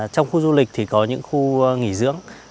trong khu du lịch thì có những khu nghỉ dưỡng